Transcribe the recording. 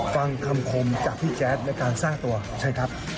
ฟังคำคมจากพี่แจ๊สแล้วการซ่าตัวใช่ครับ